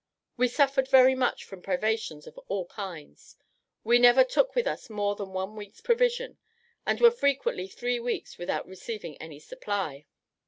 We suffered very much from privations of all kinds. We never took with us more than one week's provision, and were frequently three weeks without receiving any supply.